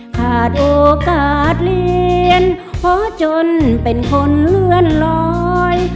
ขาดโอกาสเรียนพอจนเป็นคนเลื่อนลอย